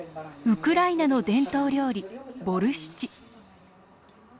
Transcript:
ウクライナの伝統料理ボルシチ。